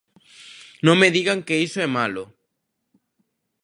Non me digan que iso é malo.